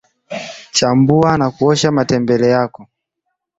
chambua na kuosha mtembele yako